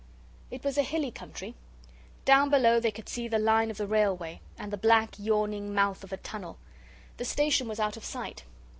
It was a hilly country. Down below they could see the line of the railway, and the black yawning mouth of a tunnel. The station was out of sight.